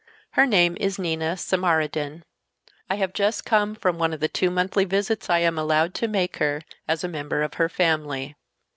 Her name is Nina Samarodin. I have just come from one of the two monthly visits I am allowed to make her, as a member of her family.